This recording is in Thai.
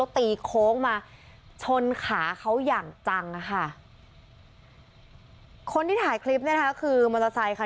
แล้วตีคโค้งมาชนขาเขาอย่างจังอะคะคนที่ถ่ายคลิปเนี้ยคะคือม้อตะไซค่ะ